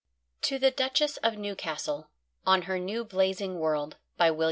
To The Duchesse of Newcastle, On Her New Blazing World.